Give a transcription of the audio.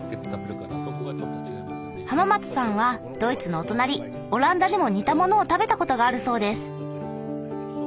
濱松さんはドイツのお隣オランダでも似たものを食べたことがあるそうです。